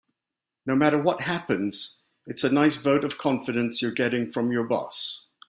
No matter what happens, it's a nice vote of confidence you're getting from your boss.